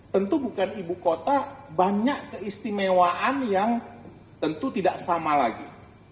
tentu bukan ibu kota banyak keistimewaan yang tentu tidak sama lagi